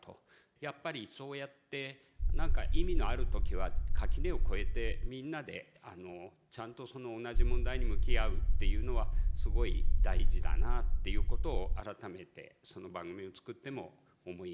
やっぱりそうやって何か意味のある時は垣根を越えてみんなでちゃんと同じ問題に向き合うっていうのはすごい大事だなっていうことを改めてその番組を作っても思いました。